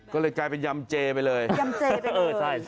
ก็เลยกลายเป็นยำเจไปเลยยำเจ